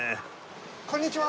こんにちは。